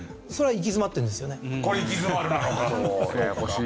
これ「行き詰まる」なのか。